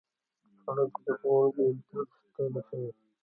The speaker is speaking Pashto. سړک زدهکوونکي درس ته رسوي.